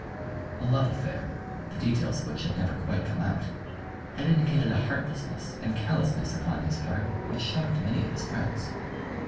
A love affair, the details of which had never quite come out, had indicated a heartlessness and callousness upon his part which shocked many of his friends.